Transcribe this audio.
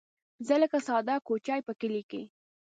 زه لکه ساده کوچۍ په کلي کې